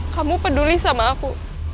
kamu peduli sama aku